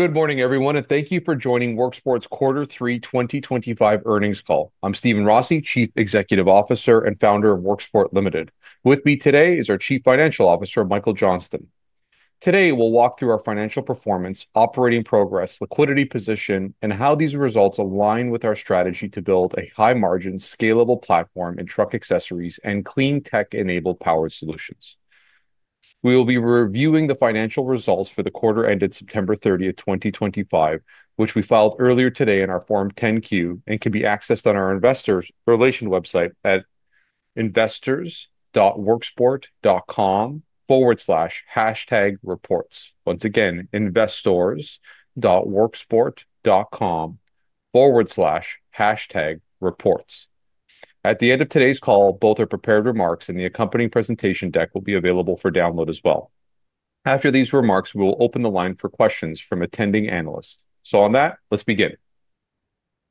Good morning, everyone, and thank you for joining Worksport's quarter 3 2025 earnings call. I'm Steven Rossi, Chief Executive Officer and founder of Worksport Limited. With me today is our Chief Financial Officer, Michael Johnston. Today, we'll walk through our financial performance, operating progress, liquidity position, and how these results align with our strategy to build a high-margin, scalable platform in truck accessories and clean tech-enabled power solutions. We will be reviewing the financial results for the quarter ended September 30, 2025, which we filed earlier today in our Form 10-Q and can be accessed on our investor relation website at investors.worksport.com/hashtagreports. Once again, investors.worksport.com/hashtagreports. At the end of today's call, both our prepared remarks and the accompanying presentation deck will be available for download as well. After these remarks, we will open the line for questions from attending analysts. On that, let's begin.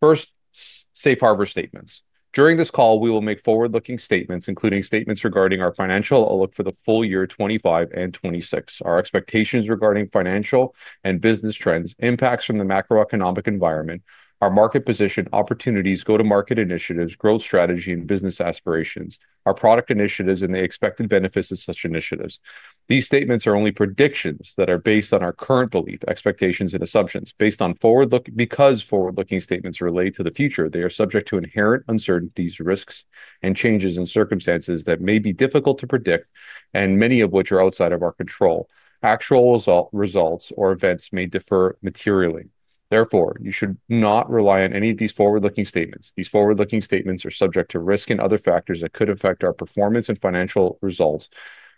First, safe harbor statements. During this call, we will make forward-looking statements, including statements regarding our financial outlook for the full year 2025 and 2026, our expectations regarding financial and business trends, impacts from the macroeconomic environment, our market position, opportunities, go-to-market initiatives, growth strategy, and business aspirations, our product initiatives, and the expected benefits of such initiatives. These statements are only predictions that are based on our current belief, expectations, and assumptions. Because forward-looking statements relate to the future, they are subject to inherent uncertainties, risks, and changes in circumstances that may be difficult to predict, and many of which are outside of our control. Actual results or events may differ materially. Therefore, you should not rely on any of these forward-looking statements. These forward-looking statements are subject to risk and other factors that could affect our performance and financial results,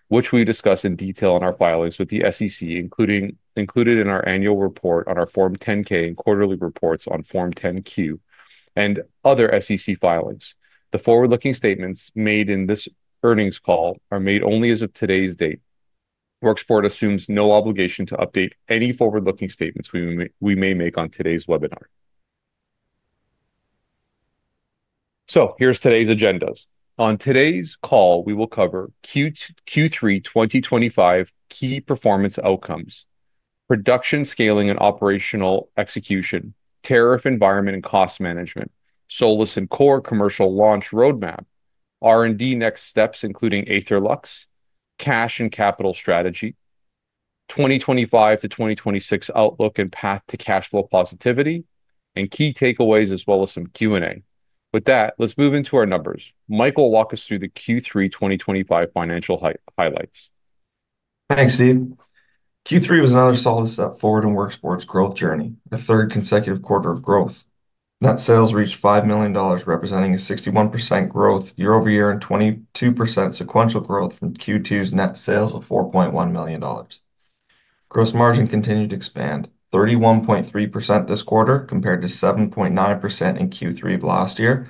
which we discuss in detail in our filings with the SEC, included in our annual report on our Form 10-K and quarterly reports on Form 10-Q and other SEC filings. The forward-looking statements made in this earnings call are made only as of today's date. Worksport assumes no obligation to update any forward-looking statements we may make on today's webinar. Here's today's agendas. On today's call, we will cover Q3 2025 key performance outcomes, production scaling and operational execution, tariff environment and cost management, Solis and Core commercial launch roadmap, R&D next steps, including Aetherlux, cash and capital strategy, 2025 to 2026 outlook and path to cash flow positivity, and key takeaways, as well as some Q&A. With that, let's move into our numbers. Michael, walk us through the Q3 2025 financial highlights. Thanks, Steve. Q3 was another solid step forward in Worksport's growth journey, the third consecutive quarter of growth. Net sales reached $5 million, representing a 61% growth year over year and 22% sequential growth from Q2's net sales of $4.1 million. Gross margin continued to expand, 31.3% this quarter compared to 7.9% in Q3 of last year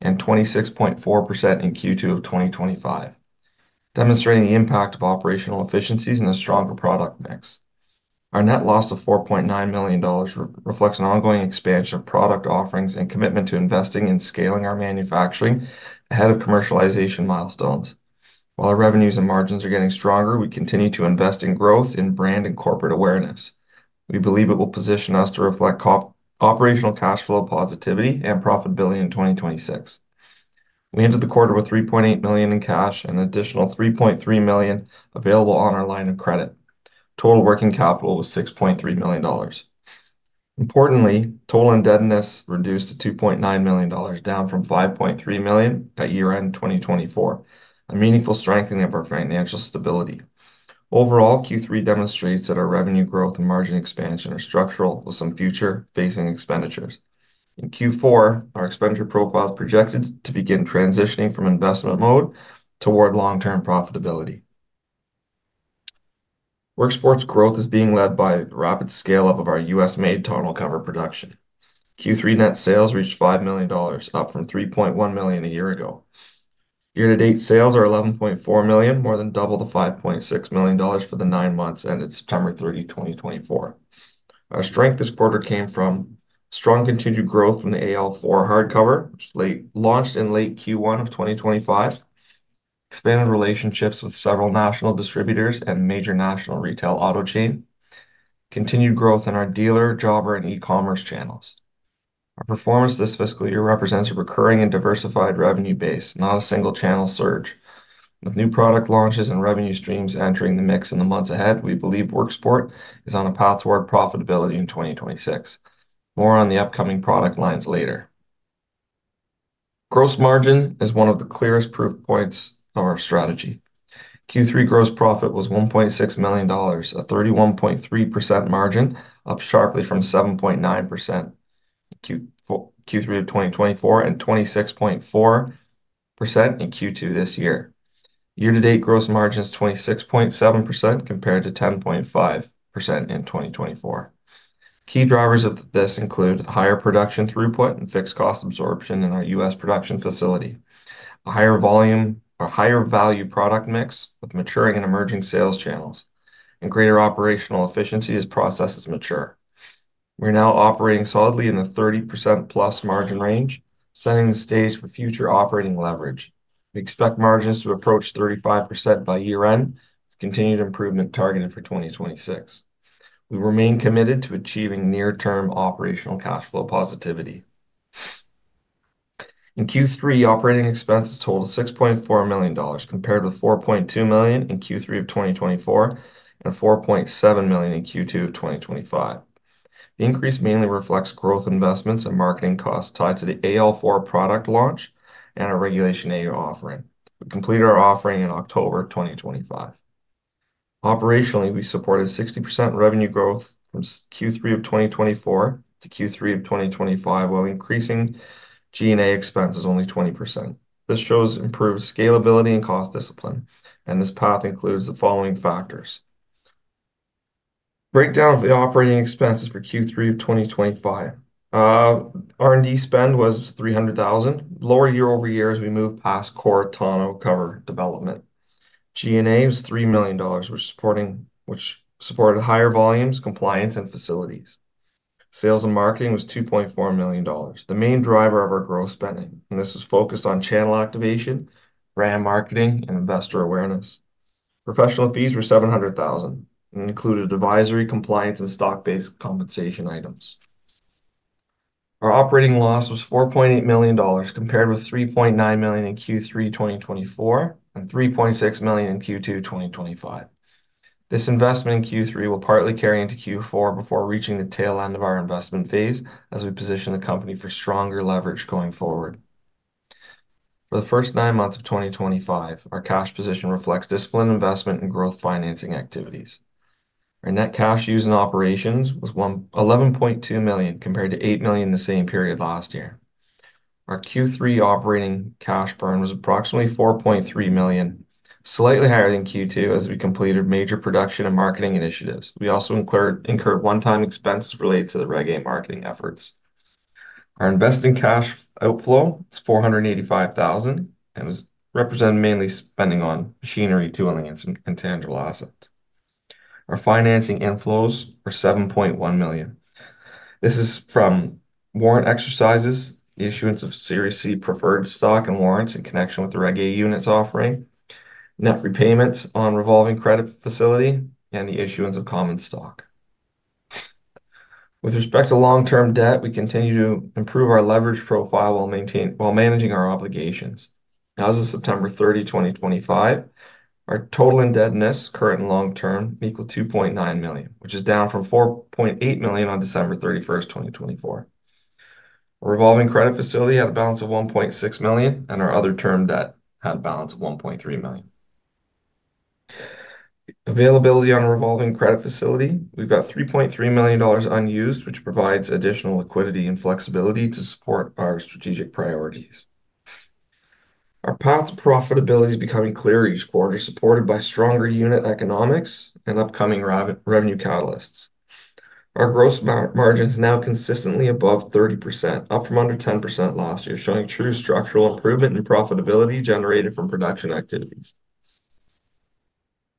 and 26.4% in Q2 of 2025, demonstrating the impact of operational efficiencies and a stronger product mix. Our net loss of $4.9 million reflects an ongoing expansion of product offerings and commitment to investing in scaling our manufacturing ahead of commercialization milestones. While our revenues and margins are getting stronger, we continue to invest in growth in brand and corporate awareness. We believe it will position us to reflect operational cash flow positivity and profitability in 2026. We ended the quarter with $3.8 million in cash and an additional $3.3 million available on our line of credit. Total working capital was $6.3 million. Importantly, total indebtedness reduced to $2.9 million, down from $5.3 million at year-end 2024, a meaningful strengthening of our financial stability. Overall, Q3 demonstrates that our revenue growth and margin expansion are structural, with some future-facing expenditures. In Q4, our expenditure profile is projected to begin transitioning from investment mode toward long-term profitability. Worksport's growth is being led by the rapid scale-up of our U.S.-made tonneau cover production. Q3 net sales reached $5 million, up from $3.1 million a year ago. Year-to-date sales are $11.4 million, more than double the $5.6 million for the nine months ended September 30, 2024. Our strength this quarter came from strong continued growth from the AL4 hardcover, which launched in late Q1 of 2025, expanded relationships with several national distributors and major national retail auto chain, continued growth in our dealer, jobber, and e-commerce channels. Our performance this fiscal year represents a recurring and diversified revenue base, not a single-channel surge. With new product launches and revenue streams entering the mix in the months ahead, we believe Worksport is on a path toward profitability in 2026. More on the upcoming product lines later. Gross margin is one of the clearest proof points of our strategy. Q3 gross profit was $1.6 million, a 31.3% margin, up sharply from 7.9% in Q3 of 2024 and 26.4% in Q2 this year. Year-to-date gross margin is 26.7% compared to 10.5% in 2024. Key drivers of this include higher production throughput and fixed cost absorption in our U.S. Production facility, a higher volume or higher value product mix with maturing and emerging sales channels, and greater operational efficiency as processes mature. We're now operating solidly in the 30% plus margin range, setting the stage for future operating leverage. We expect margins to approach 35% by year-end with continued improvement targeted for 2026. We remain committed to achieving near-term operational cash flow positivity. In Q3, operating expenses totaled $6.4 million, compared with $4.2 million in Q3 of 2024 and $4.7 million in Q2 of 2025. The increase mainly reflects growth investments and marketing costs tied to the AL4 product launch and our Regulation A offering. We completed our offering in October 2025. Operationally, we supported 60% revenue growth from Q3 of 2024 to Q3 of 2025, while increasing G&A expenses only 20%. This shows improved scalability and cost discipline, and this path includes the following factors. Breakdown of the operating expenses for Q3 of 2025. R&D spend was $300,000, lower year-over-year as we move past Core tonneau cover development. G&A was $3 million, which supported higher volumes, compliance, and facilities. Sales and marketing was $2.4 million, the main driver of our gross spending, and this was focused on channel activation, brand marketing, and investor awareness. Professional fees were $700,000 and included advisory, compliance, and stock-based compensation items. Our operating loss was $4.8 million, compared with $3.9 million in Q3 2024 and $3.6 million in Q2 2025. This investment in Q3 will partly carry into Q4 before reaching the tail end of our investment phase as we position the company for stronger leverage going forward. For the first nine months of 2025, our cash position reflects disciplined investment and growth financing activities. Our net cash use in operations was $11.2 million, compared to $8 million in the same period last year. Our Q3 operating cash burn was approximately $4.3 million, slightly higher than Q2 as we completed major production and marketing initiatives. We also incurred one-time expenses related to the RegGate marketing efforts. Our investing cash outflow is $485,000 and is represented mainly spending on machinery, tooling, and tangible assets. Our financing inflows were $7.1 million. This is from warrant exercises, the issuance of Series C preferred stock and warrants in connection with the RegGate units offering, net repayments on revolving credit facility, and the issuance of common stock. With respect to long-term debt, we continue to improve our leverage profile while managing our obligations. As of September 30, 2025, our total indebtedness, current and long-term, equaled $2.9 million, which is down from $4.8 million on December 31, 2024. Our revolving credit facility had a balance of $1.6 million, and our other-term debt had a balance of $1.3 million. Availability on a revolving credit facility, we've got $3.3 million unused, which provides additional liquidity and flexibility to support our strategic priorities. Our path to profitability is becoming clearer each quarter, supported by stronger unit economics and upcoming revenue catalysts. Our gross margin is now consistently above 30%, up from under 10% last year, showing true structural improvement in profitability generated from production activities.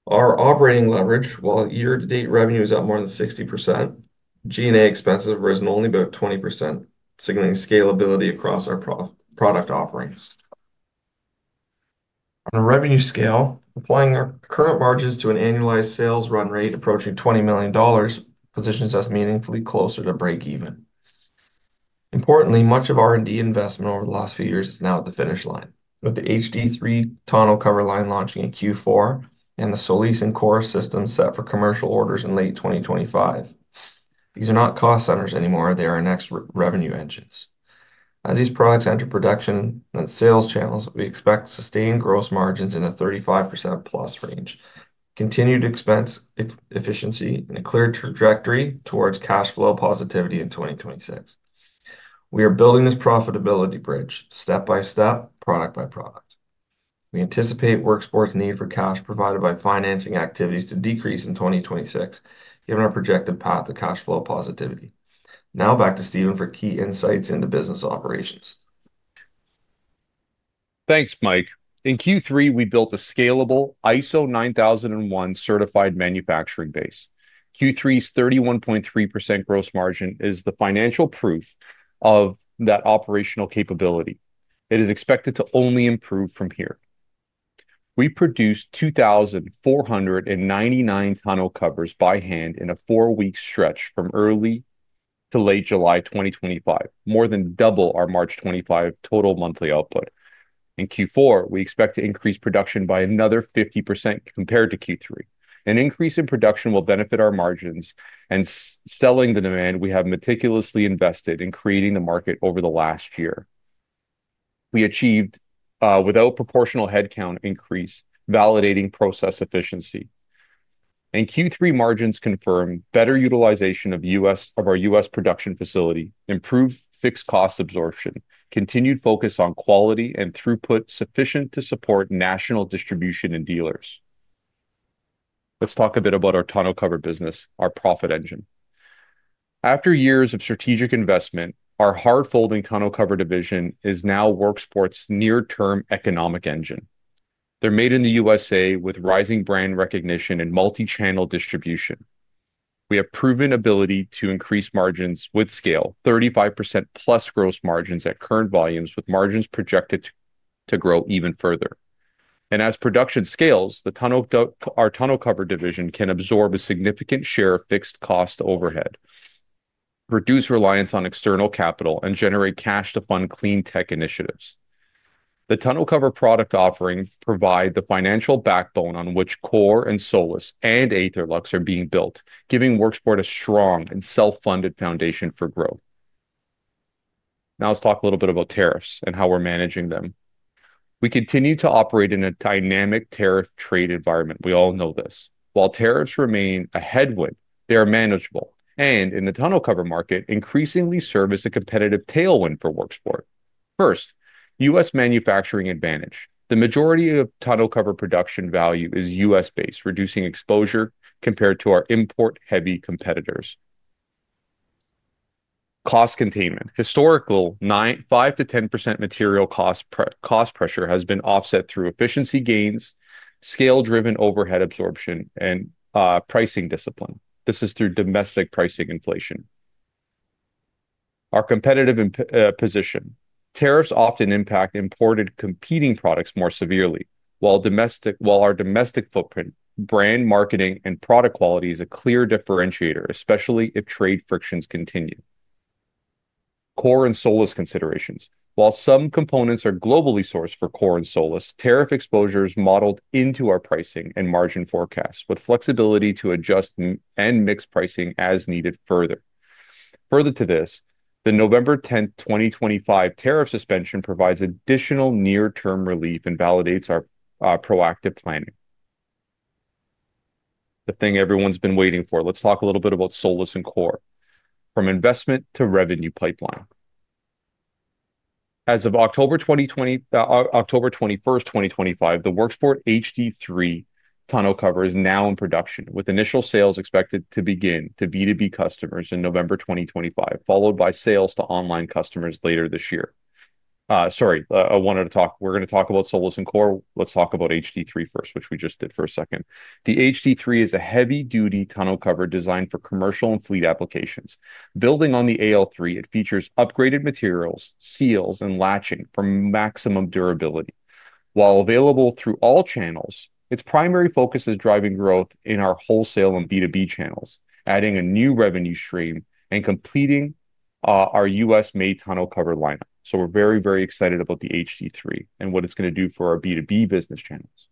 Our operating leverage, while year-to-date revenue is up more than 60%, G&A expenses have risen only by 20%, signaling scalability across our product offerings. On a revenue scale, applying our current margins to an annualized sales run rate approaching $20 million positions us meaningfully closer to break-even. Importantly, much of R&D investment over the last few years is now at the finish line, with the HD3 tonneau cover line launching in Q4 and the Solis and Core systems set for commercial orders in late 2025. These are not cost centers anymore; they are our next revenue engines. As these products enter production and sales channels, we expect sustained gross margins in the 35%+ range, continued expense efficiency, and a clear trajectory towards cash flow positivity in 2026. We are building this profitability bridge step by step, product by product. We anticipate Worksport's need for cash provided by financing activities to decrease in 2026, given our projected path to cash flow positivity. Now, back to Steven for key insights into business operations. Thanks, Mike. In Q3, we built a scalable ISO 9001 certified manufacturing base. Q3's 31.3% gross margin is the financial proof of that operational capability. It is expected to only improve from here. We produced 2,499 tonneau covers by hand in a four-week stretch from early to late July 2025, more than double our March 2025 total monthly output. In Q4, we expect to increase production by another 50% compared to Q3. An increase in production will benefit our margins and selling the demand we have meticulously invested in creating the market over the last year. We achieved, without proportional headcount increase, validating process efficiency. In Q3, margins confirmed better utilization of our U.S. production facility, improved fixed cost absorption, continued focus on quality, and throughput sufficient to support national distribution and dealers. Let's talk a bit about our tonneau cover business, our profit engine. After years of strategic investment, our hard-folding tonneau cover division is now Worksport's near-term economic engine. They're made in the U.S.A. with rising brand recognition and multi-channel distribution. We have proven ability to increase margins with scale, 35%+ gross margins at current volumes, with margins projected to grow even further. As production scales, our tonneau cover division can absorb a significant share of fixed cost overhead, reduce reliance on external capital, and generate cash to fund clean tech initiatives. The tonneau cover product offering provides the financial backbone on which Core and Solis and Aetherlux are being built, giving Worksport a strong and self-funded foundation for growth. Now, let's talk a little bit about tariffs and how we're managing them. We continue to operate in a dynamic tariff trade environment. We all know this. While tariffs remain a headwind, they are manageable, and in the tonneau cover market, increasingly serve as a competitive tailwind for Worksport. First, U.S. manufacturing advantage. The majority of tonneau cover production value is U.S.-based, reducing exposure compared to our import-heavy competitors. Cost containment. Historical 5%-10% material cost pressure has been offset through efficiency gains, scale-driven overhead absorption, and pricing discipline. This is through domestic pricing inflation. Our competitive position. Tariffs often impact imported competing products more severely, while our domestic footprint, brand marketing, and product quality is a clear differentiator, especially if trade frictions continue. Core and Solis considerations. While some components are globally sourced for Core and Solis, tariff exposure is modeled into our pricing and margin forecasts, with flexibility to adjust and mix pricing as needed further. Further to this, the November 10, 2025 tariff suspension provides additional near-term relief and validates our proactive planning. The thing everyone's been waiting for. Let's talk a little bit about Solis and Core. From investment to revenue pipeline. As of October 21, 2025, the Worksport HD3 tonneau cover is now in production, with initial sales expected to begin to B2B customers in November 2025, followed by sales to online customers later this year. Sorry, I wanted to talk. We're going to talk about Solis and Core. Let's talk about HD3 first, which we just did for a second. The HD3 is a heavy-duty tonneau cover designed for commercial and fleet applications. Building on the AL3, it features upgraded materials, seals, and latching for maximum durability. While available through all channels, its primary focus is driving growth in our wholesale and B2B channels, adding a new revenue stream and completing our U.S.-made tonneau cover lineup. We're very, very excited about the HD3 and what it's going to do for our B2B business channels.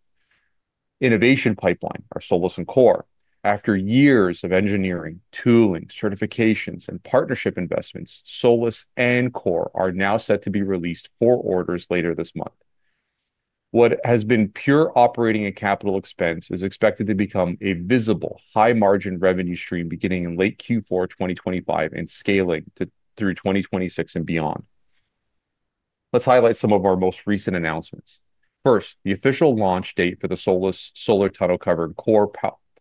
Innovation pipeline, our Solis and Core. After years of engineering, tooling, certifications, and partnership investments, Solis and Core are now set to be released for orders later this month. What has been pure operating and capital expense is expected to become a visible, high-margin revenue stream beginning in late Q4 2025 and scaling through 2026 and beyond. Let's highlight some of our most recent announcements. First, the official launch date for the Solis solar tonneau cover and Core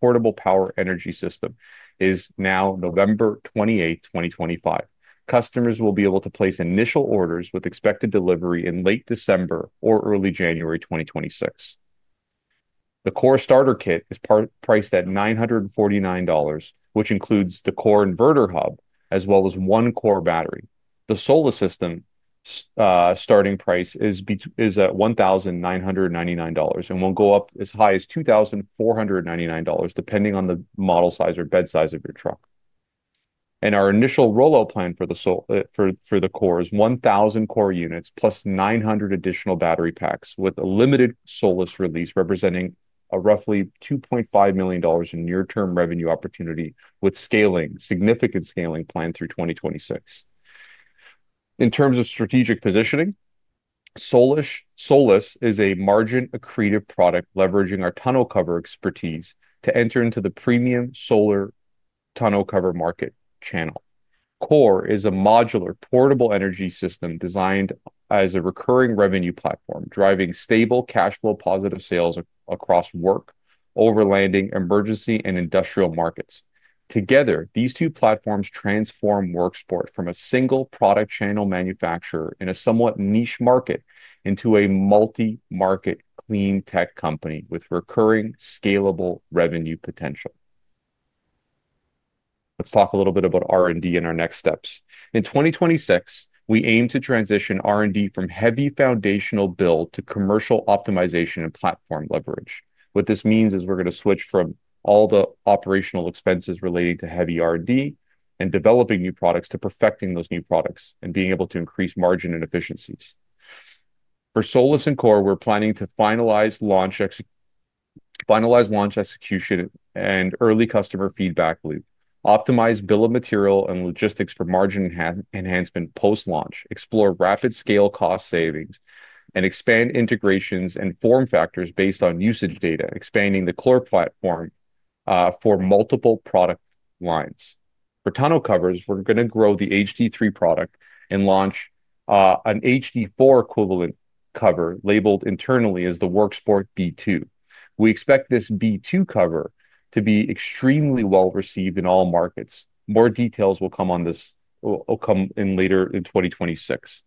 portable power energy system is now November 28, 2025. Customers will be able to place initial orders with expected delivery in late December or early January 2026. The Core starter kit is priced at $949, which includes the Core inverter hub as well as one Core battery. The Solis system starting price is at $1,999 and will go up as high as $2,499 depending on the model size or bed size of your truck. Our initial rollout plan for the Core is 1,000 Core units plus 900 additional battery packs with a limited Solis release representing a roughly $2.5 million in near-term revenue opportunity with significant scaling planned through 2026. In terms of strategic positioning, Solis is a margin-accretive product leveraging our tonneau cover expertise to enter into the premium solar tonneau cover market channel. Core is a modular portable energy system designed as a recurring revenue platform, driving stable cash flow positive sales across work, overlanding, emergency, and industrial markets. Together, these two platforms transform Worksport from a single product channel manufacturer in a somewhat niche market into a multi-market clean tech company with recurring scalable revenue potential. Let's talk a little bit about R&D and our next steps. In 2026, we aim to transition R&D from heavy foundational build to commercial optimization and platform leverage. What this means is we're going to switch from all the operational expenses relating to heavy R&D and developing new products to perfecting those new products and being able to increase margin and efficiencies. For Solis and Core, we're planning to finalize launch execution and early customer feedback loop, optimize bill of material and logistics for margin enhancement post-launch, explore rapid scale cost savings, and expand integrations and form factors based on usage data, expanding the Core platform for multiple product lines. For tonneau covers, we're going to grow the HD3 product and launch an HD4 equivalent cover labeled internally as the Worksport B2. We expect this B2 cover to be extremely well received in all markets. More details will come in later in 2026.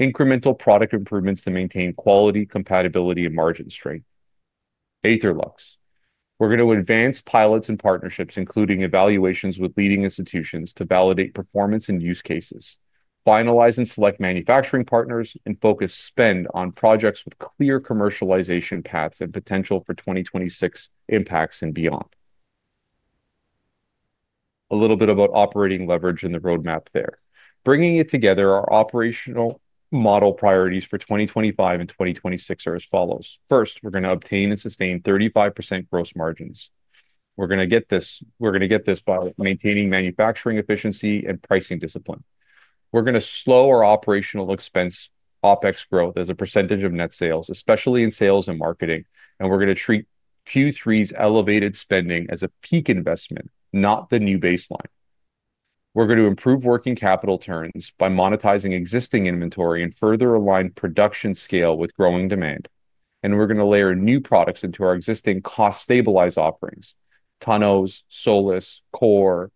Incremental product improvements to maintain quality, compatibility, and margin strength. Aetherlux. We're going to advance pilots and partnerships, including evaluations with leading institutions to validate performance and use cases, finalize and select manufacturing partners, and focus spend on projects with clear commercialization paths and potential for 2026 impacts and beyond. A little bit about operating leverage and the roadmap there. Bringing it together, our operational model priorities for 2025 and 2026 are as follows. First, we're going to obtain and sustain 35% gross margins. We're going to get this. We're going to get this by maintaining manufacturing efficiency and pricing discipline. We're going to slow our operational expense OpEx growth as a percentage of net sales, especially in sales and marketing, and we're going to treat Q3's elevated spending as a peak investment, not the new baseline. We're going to improve working capital turns by monetizing existing inventory and further align production scale with growing demand. We're going to layer new products into our existing cost-stabilized offerings: tonneaus, Solis, Core.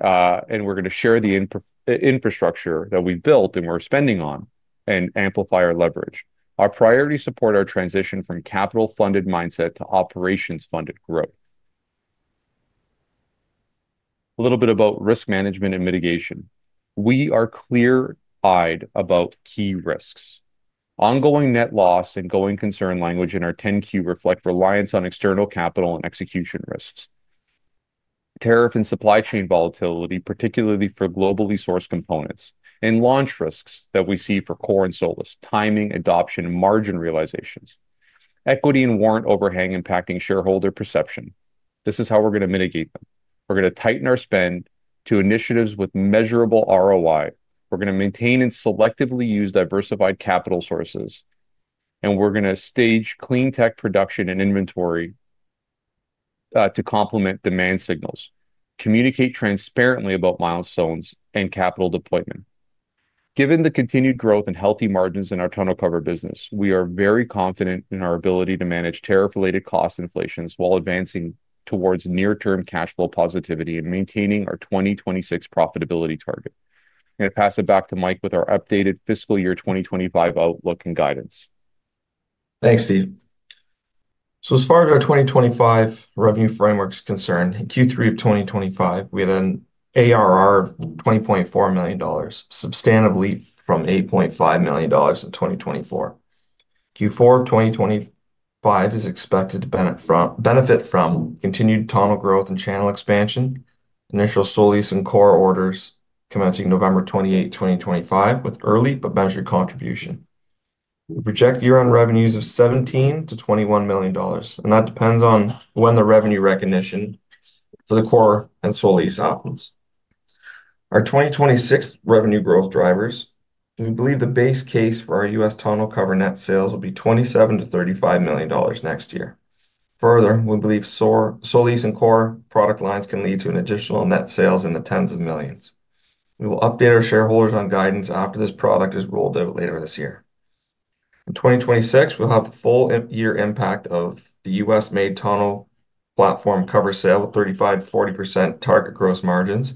We're going to share the infrastructure that we've built and we're spending on and amplify our leverage. Our priorities support our transition from capital-funded mindset to operations-funded growth. A little bit about risk management and mitigation. We are clear-eyed about key risks. Ongoing net loss and going concern language in our 10Q reflect reliance on external capital and execution risks, tariff and supply chain volatility, particularly for globally sourced components, and launch risks that we see for Core and Solis: timing, adoption, and margin realizations. Equity and warrant overhang impacting shareholder perception. This is how we're going to mitigate them. We're going to tighten our spend to initiatives with measurable ROI. We're going to maintain and selectively use diversified capital sources, and we're going to stage clean tech production and inventory to complement demand signals, communicate transparently about milestones and capital deployment. Given the continued growth and healthy margins in our tonneau cover business, we are very confident in our ability to manage tariff-related cost inflations while advancing towards near-term cash flow positivity and maintaining our 2026 profitability target. I'm going to pass it back to Mike with our updated fiscal year 2025 outlook and guidance. Thanks, Steve. As far as our 2025 revenue framework is concerned, in Q3 of 2025, we had an ARR of $20.4 million, substantially up from $8.5 million in 2024. Q4 of 2025 is expected to benefit from continued tonneau growth and channel expansion. Initial Solis and Core orders commencing November 28, 2025, with early but measured contribution. We project year-end revenues of $17-$21 million, and that depends on when the revenue recognition for the Core and Solis happens. Our 2026 revenue growth drivers, we believe the base case for our U.S. tonneau cover net sales will be $27-$35 million next year. Further, we believe Solis and Core product lines can lead to additional net sales in the tens of millions. We will update our shareholders on guidance after this product is rolled out later this year. In 2026, we'll have the full year impact of the U.S.-made tonneau platform cover sale with 35%-40% target gross margins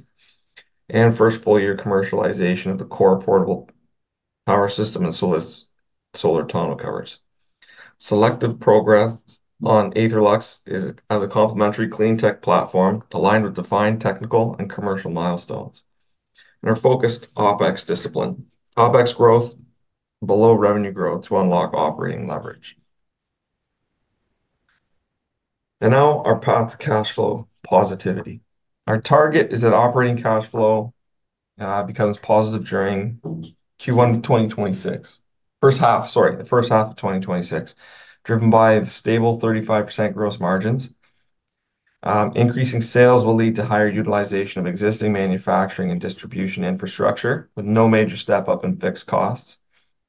and first full-year commercialization of the Core portable power system and Solis solar tonneau covers. Selective progress on Aetherlux is as a complementary clean tech platform aligned with defined technical and commercial milestones and our focused OpEx discipline. OpEx growth below revenue growth to unlock operating leverage. Our path to cash flow positivity. Our target is that operating cash flow becomes positive during Q1 of 2026. The first half of 2026, driven by the stable 35% gross margins. Increasing sales will lead to higher utilization of existing manufacturing and distribution infrastructure with no major step-up in fixed costs.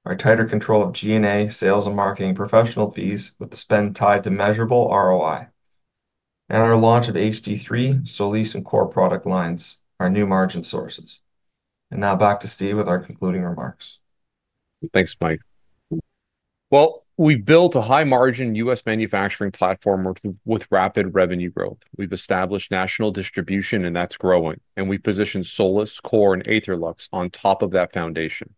Our tighter control of G&A, sales, and marketing professional fees with the spend tied to measurable ROI. Our launch of HD3, Solis, and Core product lines are new margin sources. Now back to Steve with our concluding remarks. Thanks, Mike. We have built a high-margin U.S. manufacturing platform with rapid revenue growth. We have established national distribution, and that is growing, and we have positioned Solis, Core, and Aetherlux on top of that foundation.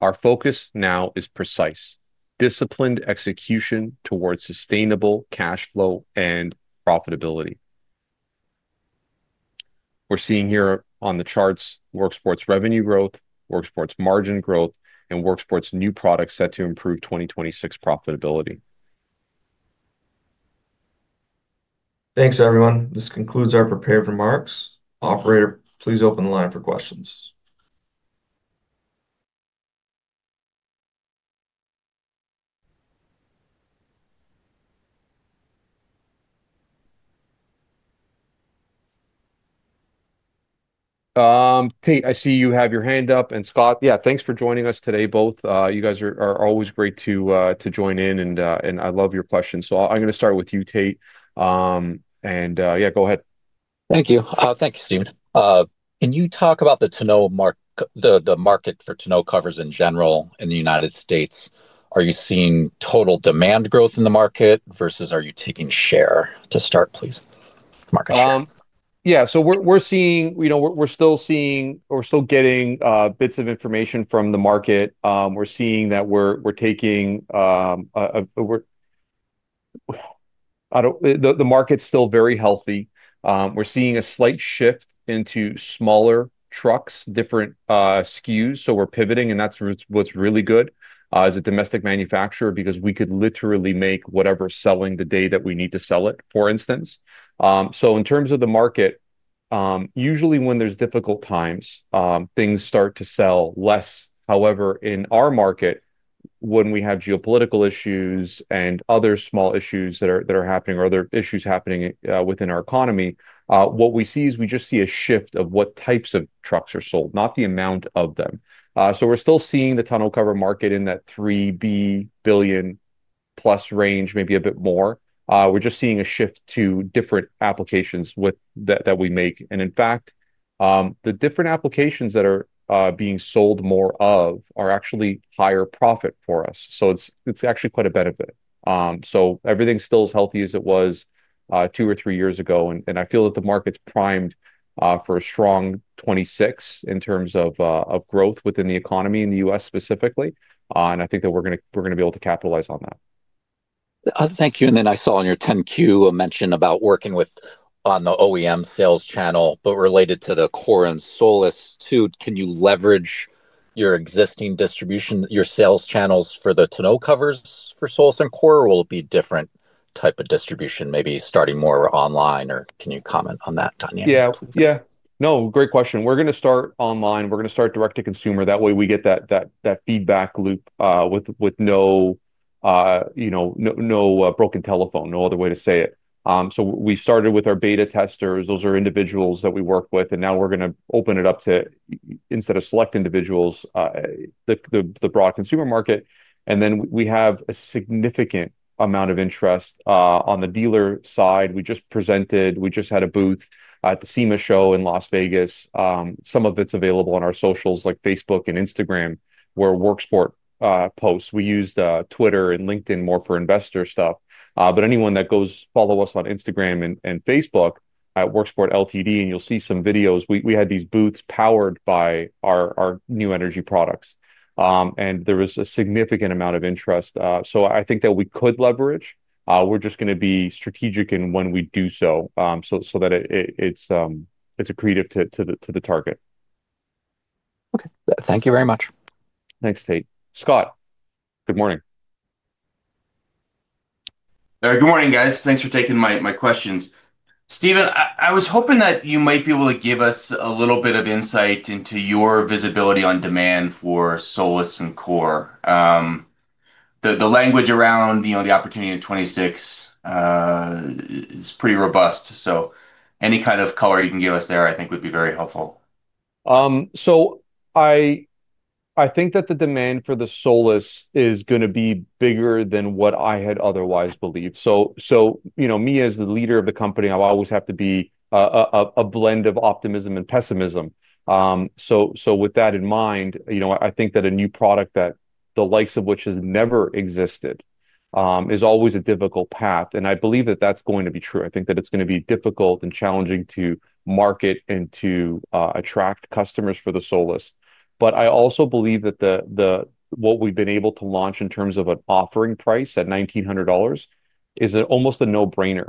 Our focus now is precise, disciplined execution towards sustainable cash flow and profitability. We are seeing here on the charts Worksport's revenue growth, Worksport's margin growth, and Worksport's new product set to improve 2026 profitability. Thanks, everyone. This concludes our prepared remarks. Operator, please open the line for questions. Kate, I see you have your hand up. Scott, yeah, thanks for joining us today both. You guys are always great to join in, and I love your questions. I'm going to start with you, Kate. Yeah, go ahead. Thank you. Thank you, Steven. Can you talk about the tonneau market for tonneau covers in general in the United States? Are you seeing total demand growth in the market versus are you taking share? To start, please, Michael Johnston. Yeah. So we're seeing, you know, we're still seeing, we're still getting bits of information from the market. We're seeing that we're taking, the market's still very healthy. We're seeing a slight shift into smaller trucks, different SKUs. So we're pivoting, and that's what's really good as a domestic manufacturer because we could literally make whatever's selling the day that we need to sell it, for instance. In terms of the market, usually when there's difficult times, things start to sell less. However, in our market, when we have geopolitical issues and other small issues that are happening or other issues happening within our economy, what we see is we just see a shift of what types of trucks are sold, not the amount of them. We're still seeing the tonneau cover market in that $3 billion plus range, maybe a bit more. We're just seeing a shift to different applications that we make. In fact, the different applications that are being sold more of are actually higher profit for us. It's actually quite a benefit. Everything still is healthy as it was two or three years ago, and I feel that the market's primed for a strong 2026 in terms of growth within the economy in the U.S. specifically. I think that we're going to be able to capitalize on that. Thank you. I saw on your 10Q a mention about working with on the OEM sales channel, but related to the Core and Solis too, can you leverage your existing distribution, your sales channels for the tonneau covers for Solis and Core? Will it be a different type of distribution, maybe starting more online? Can you comment on that, Tanya? Yeah, yeah. No, great question. We're going to start online. We're going to start direct-to-consumer. That way we get that feedback loop with no broken telephone, no other way to say it. We started with our beta testers. Those are individuals that we work with. Now we're going to open it up to, instead of select individuals, the broad consumer market. We have a significant amount of interest on the dealer side. We just presented, we just had a booth at the SEMA show in Las Vegas. Some of it's available on our socials like Facebook and Instagram where Worksport posts. We used Twitter and LinkedIn more for investor stuff. Anyone that goes follow us on Instagram and Facebook at Worksport LTD, and you'll see some videos. We had these booths powered by our new energy products. There was a significant amount of interest. I think that we could leverage. We're just going to be strategic in when we do so so that it's accretive to the target. Okay. Thank you very much. Thanks, Kate. Scott, good morning. Good morning, guys. Thanks for taking my questions. Steven, I was hoping that you might be able to give us a little bit of insight into your visibility on demand for Solis and Core. The language around the opportunity in 2026 is pretty robust. Any kind of color you can give us there, I think, would be very helpful. I think that the demand for the Solis is going to be bigger than what I had otherwise believed. Me as the leader of the company, I'll always have to be a blend of optimism and pessimism. With that in mind, I think that a new product that the likes of which has never existed is always a difficult path. I believe that that's going to be true. I think that it's going to be difficult and challenging to market and to attract customers for the Solis. I also believe that what we've been able to launch in terms of an offering price at $1,900 is almost a no-brainer.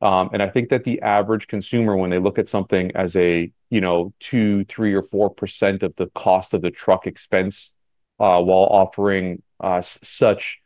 I think that the average consumer, when they look at something as a 2%, 3%, or 4% of the cost of the truck expense while offering such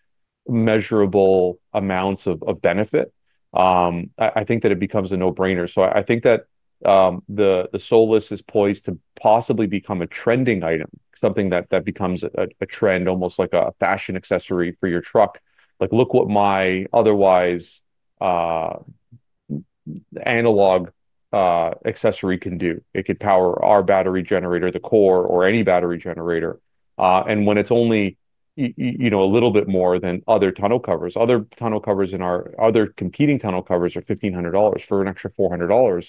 measurable amounts of benefit, I think that it becomes a no-brainer. I think that the Solis is poised to possibly become a trending item, something that becomes a trend, almost like a fashion accessory for your truck. Like, look what my otherwise analog accessory can do. It could power our battery generator, the Core, or any battery generator. When it's only a little bit more than other tonneau covers, other tonneau covers in our other competing tonneau covers are $1,500. For an extra $400,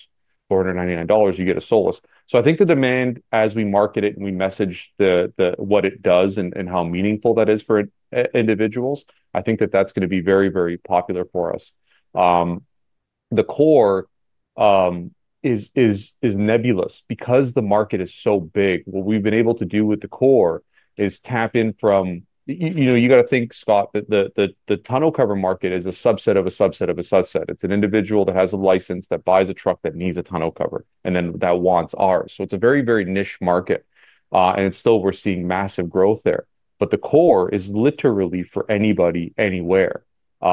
$499, you get a Solis. I think the demand, as we market it and we message what it does and how meaningful that is for individuals, I think that that's going to be very, very popular for us. The Core is nebulous because the market is so big. What we've been able to do with the Core is tap in from, you got to think, Scott, that the tonneau cover market is a subset of a subset of a subset. It's an individual that has a license that buys a truck that needs a tonneau cover and then that wants ours. It's a very, very niche market. Still, we're seeing massive growth there. The Core is literally for anybody anywhere, any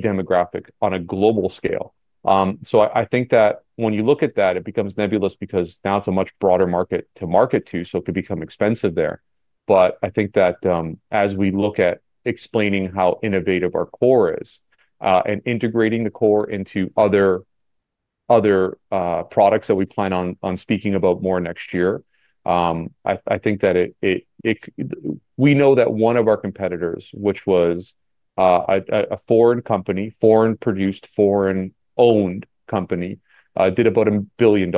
demographic on a global scale. I think that when you look at that, it becomes nebulous because now it's a much broader market to market to, so it could become expensive there. I think that as we look at explaining how innovative our Core is and integrating the Core into other products that we plan on speaking about more next year, I think that we know that one of our competitors, which was a foreign company, foreign-produced, foreign-owned company, did about $1 billion.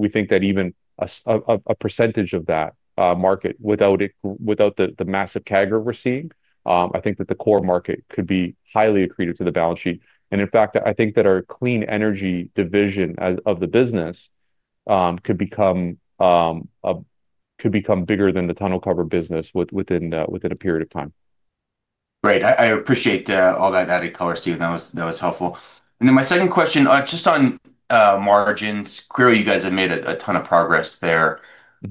We think that even a percentage of that market, without the massive CAGR we're seeing, I think that the Core market could be highly accretive to the balance sheet. In fact, I think that our clean energy division of the business could become bigger than the tonneau cover business within a period of time. Great. I appreciate all that added color, Steven. That was helpful. My second question, just on margins, clearly you guys have made a ton of progress there.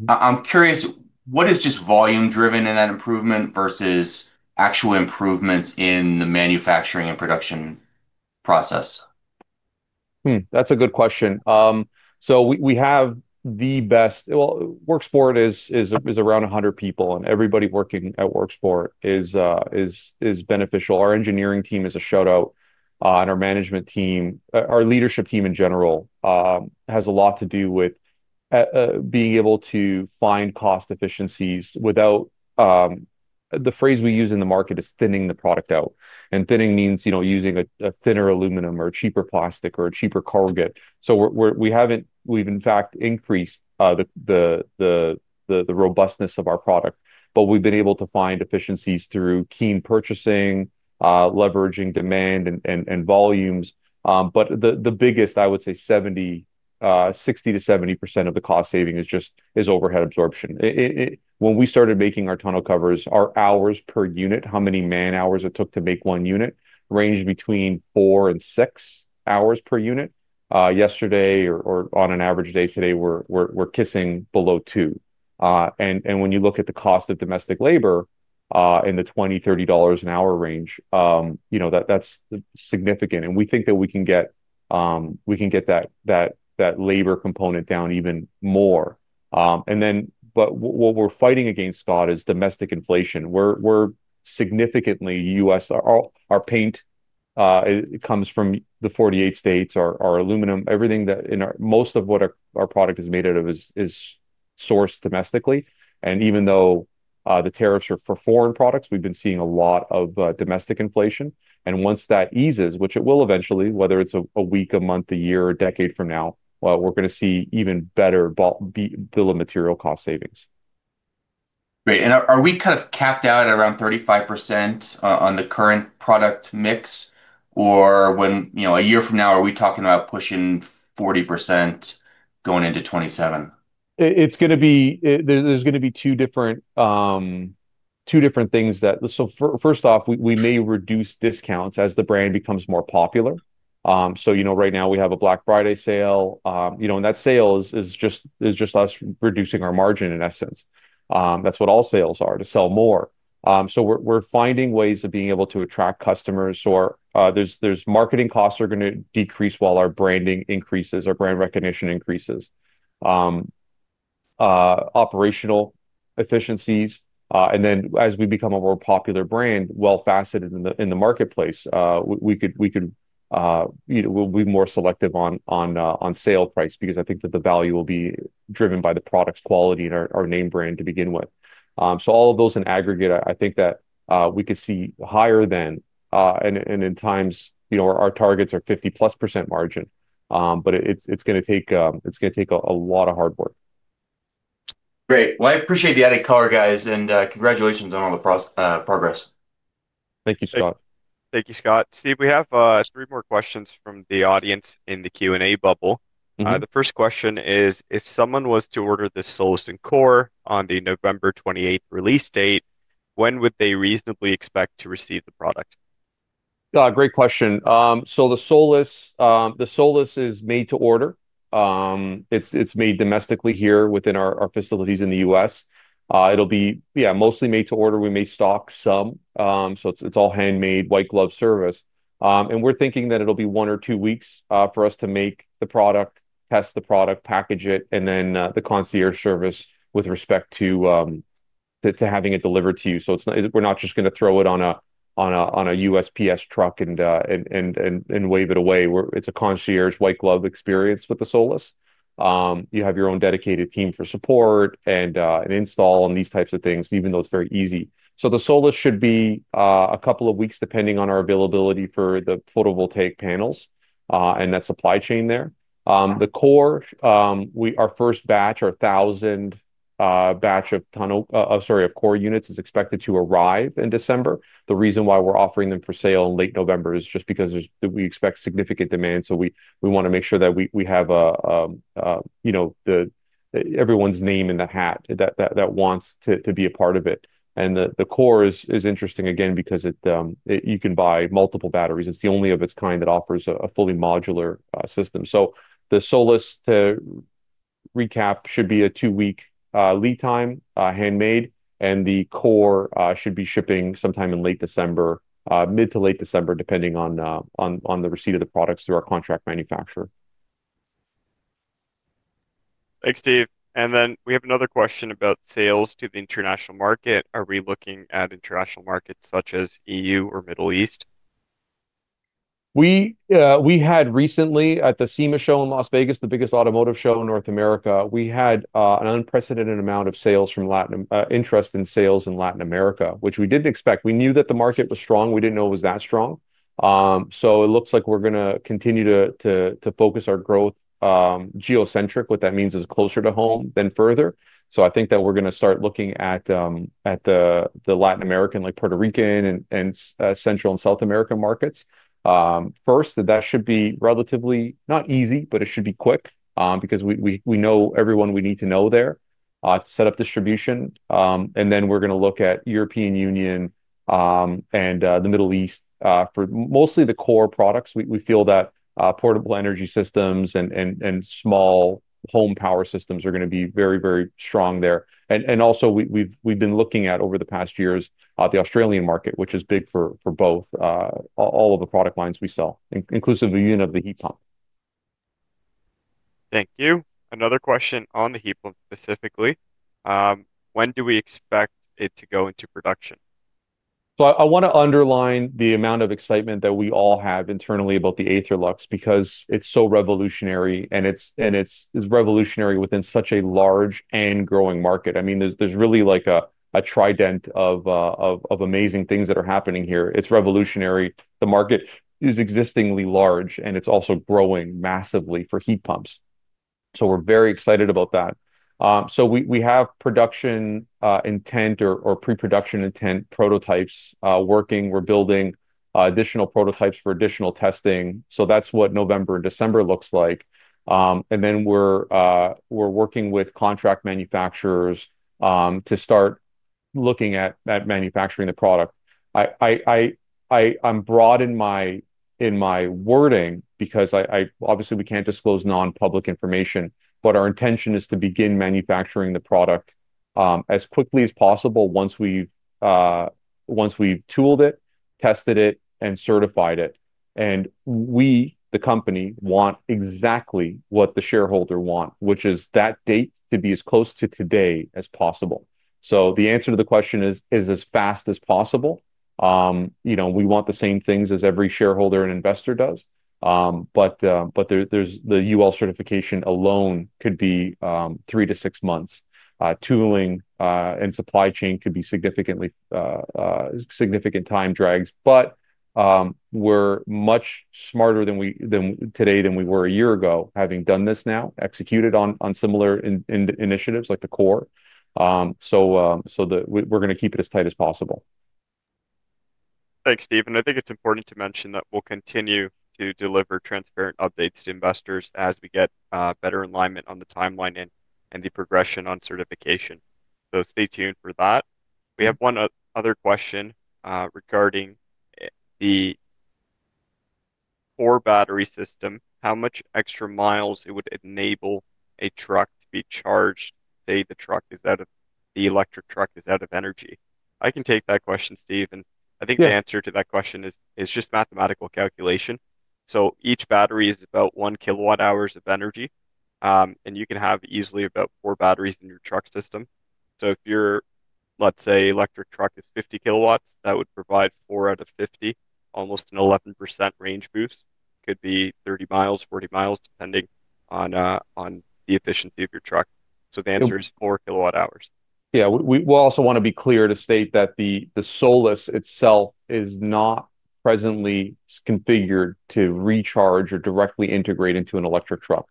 I'm curious, what is just volume-driven in that improvement versus actual improvements in the manufacturing and production process? That's a good question. We have the best, well, Worksport is around 100 people, and everybody working at Worksport is beneficial. Our engineering team is a shout-out, and our management team, our leadership team in general, has a lot to do with being able to find cost efficiencies without the phrase we use in the market, which is thinning the product out. Thinning means using a thinner aluminum or a cheaper plastic or a cheaper carget. We haven't, we've in fact increased the robustness of our product, but we've been able to find efficiencies through keen purchasing, leveraging demand and volumes. The biggest, I would say, 60%-70% of the cost saving is just overhead absorption. When we started making our tonneau covers, our hours per unit, how many man-hours it took to make one unit, ranged between four and six hours per unit. Yesterday, or on an average day today, we're kissing below two. When you look at the cost of domestic labor in the $20-$30 an hour range, that's significant. We think that we can get that labor component down even more. What we're fighting against, Scott, is domestic inflation. We're significantly U.S. Our paint comes from the 48 states, our aluminum, everything that most of what our product is made out of is sourced domestically. Even though the tariffs are for foreign products, we've been seeing a lot of domestic inflation. Once that eases, which it will eventually, whether it's a week, a month, a year, a decade from now, we're going to see even better bill of material cost savings. Great. Are we kind of capped out at around 35% on the current product mix? Or when a year from now, are we talking about pushing 40% going into 2027? It's going to be, there's going to be two different things that, so first off, we may reduce discounts as the brand becomes more popular. Right now we have a Black Friday sale. That sale is just us reducing our margin in essence. That's what all sales are, to sell more. We're finding ways of being able to attract customers. There's marketing costs that are going to decrease while our branding increases, our brand recognition increases, operational efficiencies. As we become a more popular brand, well-faceted in the marketplace, we could be more selective on sale price because I think that the value will be driven by the product's quality and our name brand to begin with. All of those in aggregate, I think that we could see higher than. In times, our targets are 50+% margin. It is going to take a lot of hard work. Great. I appreciate the added color, guys. Congratulations on all the progress. Thank you, Scott. Thank you, Scott. Steve, we have three more questions from the audience in the Q&A bubble. The first question is, if someone was to order the Solis and Core on the November 28th release date, when would they reasonably expect to receive the product? Great question. The Solis is made to order. It is made domestically here within our facilities in the U.S. It will be, yeah, mostly made to order. We may stock some. It is all handmade, white glove service. We are thinking that it will be one or two weeks for us to make the product, test the product, package it, and then the concierge service with respect to having it delivered to you. We are not just going to throw it on a USPS truck and wave it away. It is a concierge white glove experience with the Solis. You have your own dedicated team for support and install and these types of things, even though it is very easy. The Solis should be a couple of weeks depending on our availability for the photovoltaic panels and that supply chain there. The Core, our first batch, our 1,000 batch of tonneau, sorry, of Core units is expected to arrive in December. The reason why we're offering them for sale in late November is just because we expect significant demand. We want to make sure that we have everyone's name in the hat that wants to be a part of it. The Core is interesting again because you can buy multiple batteries. It's the only of its kind that offers a fully modular system. The Solis, to recap, should be a two-week lead time, handmade. The Core should be shipping sometime in late December, mid to late December, depending on the receipt of the products through our contract manufacturer. Thanks, Steve. And then we have another question about sales to the international market. Are we looking at international markets such as EU or Middle East? We had recently at the SEMA show in Las Vegas, the biggest automotive show in North America, we had an unprecedented amount of sales from interest in sales in Latin America, which we didn't expect. We knew that the market was strong. We didn't know it was that strong. It looks like we're going to continue to focus our growth geocentric. What that means is closer to home than further. I think that we're going to start looking at the Latin American, like Puerto Rican and Central and South American markets. First, that should be relatively not easy, but it should be quick because we know everyone we need to know there to set up distribution. Then we're going to look at European Union and the Middle East for mostly the Core products. We feel that portable energy systems and small home power systems are going to be very, very strong there. We have also been looking at over the past years the Australian market, which is big for both all of the product lines we sell, inclusive of the unit of the heat pump. Thank you. Another question on the heat pump specifically. When do we expect it to go into production? I want to underline the amount of excitement that we all have internally about the Aetherlux because it's so revolutionary and it's revolutionary within such a large and growing market. I mean, there's really like a trident of amazing things that are happening here. It's revolutionary. The market is existingly large and it's also growing massively for heat pumps. We're very excited about that. We have production intent or pre-production intent prototypes working. We're building additional prototypes for additional testing. That's what November and December looks like. We're working with contract manufacturers to start looking at manufacturing the product. I'm broad in my wording because obviously we can't disclose non-public information, but our intention is to begin manufacturing the product as quickly as possible once we've tooled it, tested it, and certified it. We, the company, want exactly what the shareholder wants, which is that date to be as close to today as possible. The answer to the question is as fast as possible. We want the same things as every shareholder and investor does. The UL certification alone could be three- to six months. Tooling and supply chain could be significant time drags. We are much smarter today than we were a year ago, having done this now, executed on similar initiatives like the Core. We are going to keep it as tight as possible. Thanks, Steve. I think it's important to mention that we'll continue to deliver transparent updates to investors as we get better alignment on the timeline and the progression on certification. Stay tuned for that. We have one other question regarding the Core battery system. How much extra miles it would enable a truck to be charged, say the electric truck is out of energy? I can take that question, Steve. I think the answer to that question is just mathematical calculation. Each battery is about 1 kWh of energy. You can have easily about four batteries in your truck system. If your, let's say, electric truck is 50 kW, that would provide 4 out of 50, almost an 11% range boost. Could be 30 mi, 40 mi, depending on the efficiency of your truck. The answer is 4 kWh. Yeah. We also want to be clear to state that the Solis itself is not presently configured to recharge or directly integrate into an electric truck.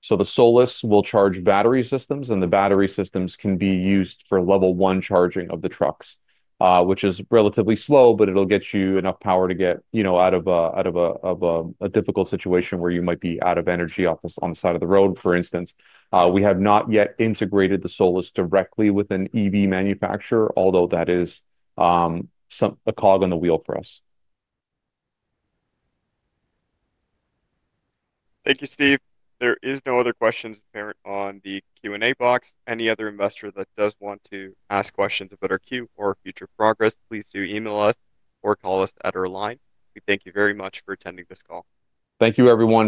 So the Solis will charge battery systems, and the battery systems can be used for level one charging of the trucks, which is relatively slow, but it'll get you enough power to get out of a difficult situation where you might be out of energy on the side of the road, for instance. We have not yet integrated the Solis directly with an EV manufacturer, although that is a cog on the wheel for us. Thank you, Steve. There are no other questions on the Q&A box. Any other investor that does want to ask questions about our Q or future progress, please do email us or call us at our line. We thank you very much for attending this call. Thank you, everyone.